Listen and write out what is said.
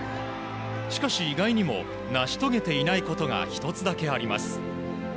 しかし、意外にも成し遂げていないことが１つだけあります。